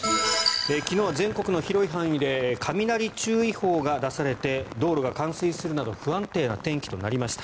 昨日は全国の広い範囲で雷注意報が出されて道路が冠水するなど不安定な天気となりました。